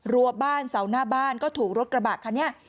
รัวบ้านเสาหน้าบ้านก็ถูกรถกระบะคันนี้